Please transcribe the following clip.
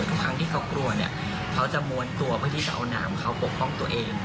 ทุกครั้งที่เขากลัวเนี่ยเขาจะม้วนตัวเพื่อที่จะเอาน้ำเขาปกป้องตัวเอง